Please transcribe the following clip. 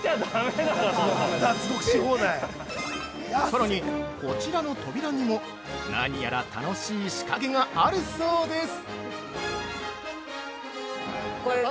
◆さらに、こちらの扉にも何やら楽しい仕掛けがあるそうです。